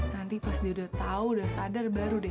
nanti pas dia udah tahu udah sadar baru deh